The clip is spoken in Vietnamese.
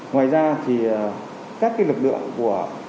ngoài ra thì các lực lượng của